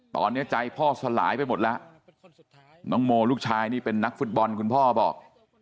ตอนนี้ใจพ่อสลายไปหมดแล้วน้องโมลูกชายนี่เป็นนักฟุตบอลคุณพ่อบอก